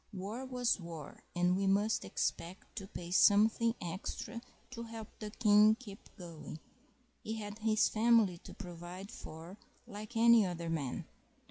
War was war, and we must expect to pay something extra to help the King keep going; he had his family to provide for like any other man.